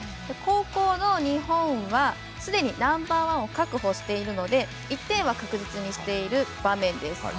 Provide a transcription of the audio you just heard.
後攻の日本はすでにナンバーワンを確保しているので１点は確実にしている場面です。